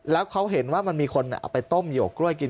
แล้วเขาเห็นว่ามันมีคนเอาไปต้มหยกกล้วยกิน